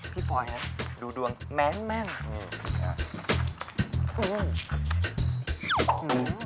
พี่ปล่อยนะดูดวงแม้ง